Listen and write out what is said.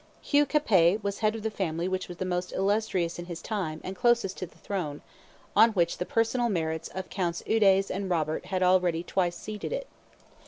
Hugh Capet was head of the family which was the most illustrious in his time and closest to the throne, on which the personal merits of Counts Eudes and Robert had already twice seated it.